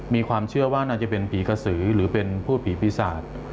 มีความเชื่อว่าน่าจะเป็นผีกระสือหรือเป็นพูดผีปีศาจ